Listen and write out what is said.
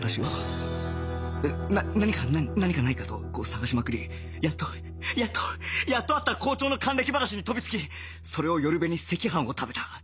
な何か何かないかと探しまくりやっとやっとやっとあった校長の還暦話に飛びつきそれを寄る辺に赤飯を食べた